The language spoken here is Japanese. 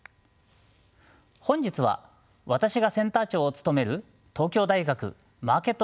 本日は私がセンター長を務める東京大学マーケット